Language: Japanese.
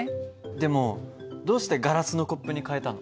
でもどうしてガラスのコップに替えたの？